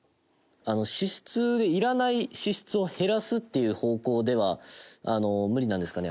支出いらない支出を減らすっていう方向では無理なんですかね？